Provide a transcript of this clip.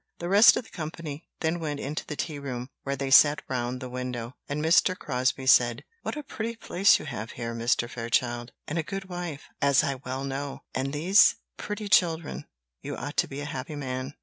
The rest of the company then went into the tea room, where they sat round the window, and Mr. Crosbie said: "What a pretty place you have here, Mr. Fairchild; and a good wife, as I well know and these pretty children! You ought to be a happy man."